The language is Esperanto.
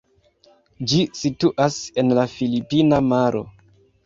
Ĝi situas en la filipina maro.